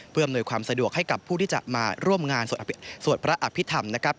เพื่ออำนวยความสะดวกให้กับผู้ที่จะมาร่วมงานสวดพระอภิษฐรรมนะครับ